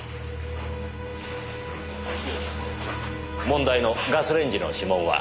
問題のガスレンジの指紋は？